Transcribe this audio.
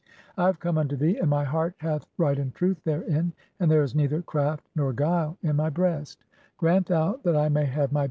I have come unto thee, and my heart "hath right and truth therein, and there is neither craft nor guile "in my breast ; grant thou that I may have my being among 1.